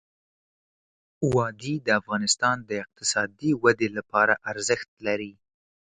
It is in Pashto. وادي د افغانستان د اقتصادي ودې لپاره ارزښت لري.